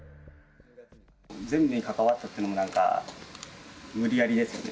全部に関わってたというのもなんか無理やりですよね。